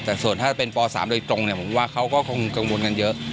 แต่ส่วนถ้าเป็นป๓โดยตรงผมว่าเขาก็คงกังวลกันเยอะ